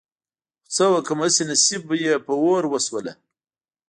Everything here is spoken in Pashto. خو څه وکړم هسې نصيب يې په اور وسوله.